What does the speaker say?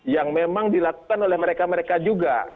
yang memang dilakukan oleh mereka mereka juga